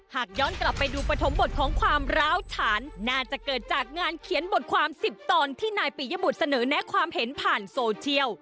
หากย้อนกลับไปดูปฐมบทของความร้าวฉานน่าจะเกิดจากงานเขียนบทความ๑๐ตอนที่นายปียบุตรเสนอแนะความเห็นผ่านโซเชียล